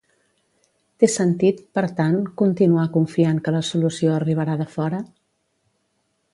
Té sentit, per tant, continuar confiant que la solució arribarà de fora?